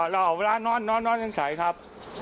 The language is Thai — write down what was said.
ลอเวลานอนในใสครับ